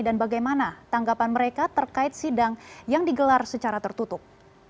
dan bagaimana tanggapan mereka terkait sidang yang digelar secara tertutup